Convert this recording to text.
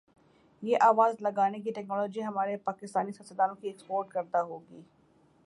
یہ آواز لگانے کی ٹیکنالوجی ہمارے پاکستانی سیاستدا نوں کی ایکسپورٹ کردہ ہوگی